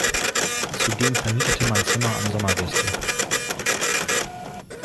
Zudem vermietete man Zimmer an Sommergäste.